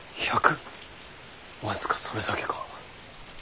僅かそれだけか？